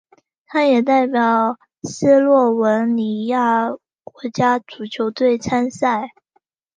他也代表斯洛文尼亚国家足球队参赛。